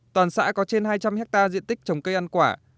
toàn xã có trên hai trăm linh hectare diện tích trồng cây ăn quả